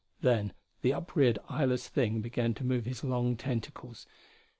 Then the upreared eyeless thing began to move his long tentacles.